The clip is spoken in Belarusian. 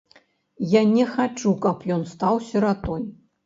Я не хачу, каб ён стаў сіратой.